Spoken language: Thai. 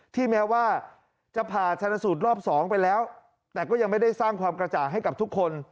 แม้ว่าจะผ่าชนสูตรรอบสองไปแล้วแต่ก็ยังไม่ได้สร้างความกระจ่างให้กับทุกคน